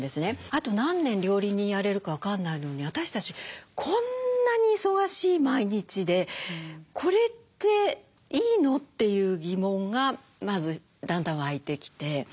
あと何年料理人やれるか分かんないのに私たちこんなに忙しい毎日で「これっていいの？」っていう疑問がまずだんだん湧いてきて。